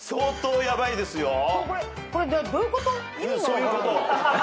そういうこと。